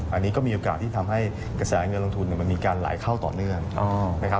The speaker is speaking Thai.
อันนี้ก็มีโอกาสที่ทำให้กระแสเงินลงทุนมันมีการไหลเข้าต่อเนื่องนะครับ